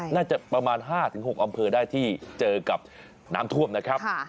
น่าจะประมาณ๕๖อำเภอได้ที่เจอกับน้ำท่วมนะครับ